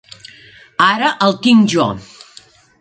Ara el tinc jo.